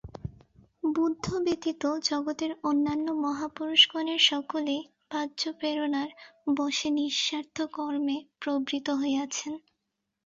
বুদ্ধ ব্যতীত জগতের অন্যান্য মহাপুরুষগণের সকলেই বাহ্য প্রেরণার বশে নিঃস্বার্থ কর্মে প্রবৃত্ত হইয়াছেন।